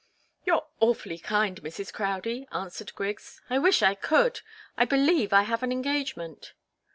"You're awfully kind, Mrs. Crowdie," answered Griggs. "I wish I could. I believe I have an engagement."